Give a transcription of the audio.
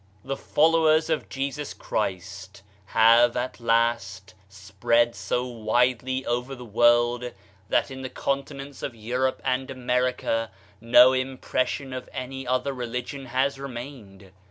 The followers of Jesus Christ have, at last, spread so widely over the world, that in the con tinents of Europe and America no impression of any other religion has remained.